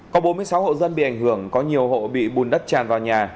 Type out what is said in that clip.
có bốn mươi sáu hộ dân bị ảnh hưởng có nhiều hộ bị bùn đất tràn vào nhà